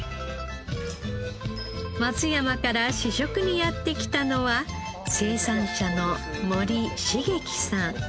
松山から試食にやって来たのは生産者の森茂喜さん。